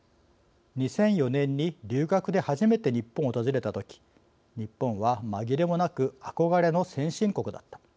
「２００４年に留学で初めて日本を訪れた時日本は紛れもなく憧れの先進国だった。